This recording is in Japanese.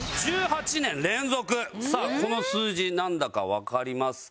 さあこの数字なんだかわかりますか？